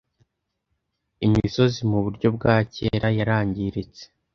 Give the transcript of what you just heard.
Imisozi muburyo bwa kera yarangiritse;